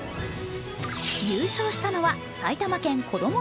優勝したのは埼玉県こども